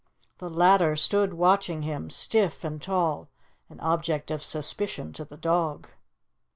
The latter stood watching him, stiff and tall, an object of suspicion to the dog.